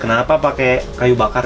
kenapa pakai kayu bakar